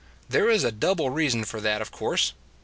There is a double reason for that, of course.